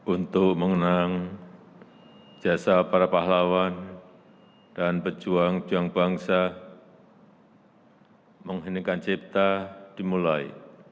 untuk mengenang jasa para pahlawan dan pejuang juang bangsa mengheningkan cipta dimulai